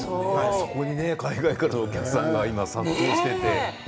そこへ海外からお客様が殺到していて。